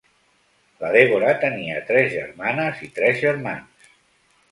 La Deborah tenia tres germanes i tres germans.